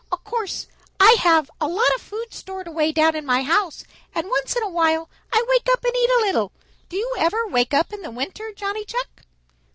Of course I have a lot of food stored away down in my house, and once in a while I wake up and eat a little. Do you ever wake up in the winter, Johnny Chuck?"